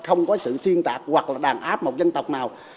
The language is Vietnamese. không có sự thiên tạc hoặc là đàn áp một dân tộc nào